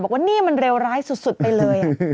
บอกว่านี่มันเลวร้ายสุดไปเลย